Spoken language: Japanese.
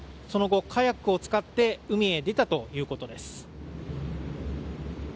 その後、カヤックを使って海へ出たということです。